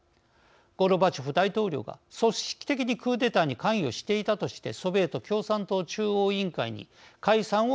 ゴルバチョフ大統領が組織的にクーデターに関与していたとしてソビエト共産党中央委員会に解散を命じました。